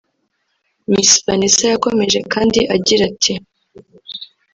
Miss Vanessa yakomeje kandi agira ati